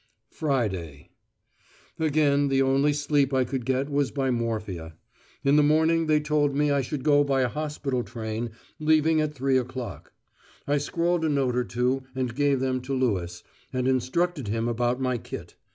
FRIDAY Again the only sleep I could get was by morphia. In the morning they told me I should go by a hospital train leaving at three o'clock. I scrawled a note or two and gave them to Lewis, and instructed him about my kit.